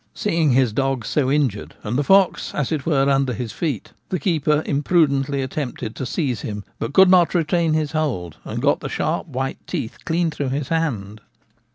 Seeing his dogs so injured and the fox as it were under his feet, the keeper imprudently attempted to seize him, but could not retain his hold, and got the sharp white teeth clean through his hand.